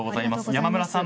山村さん